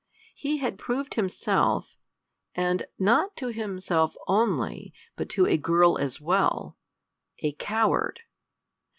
He had proved himself and not to himself only, but to a girl as well a coward!